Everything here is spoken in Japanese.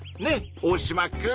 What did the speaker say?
オオシマくん。